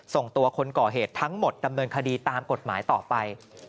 ส่งตัวคนก่อเหตุทั้งหมดดำเนินคดีตามกฎหมายต่อไป